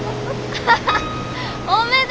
アハハッおめでとう！